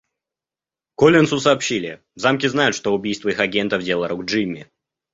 Коллинсу сообщили, в Замке знают, что убийство их агентов дело рук Джимми.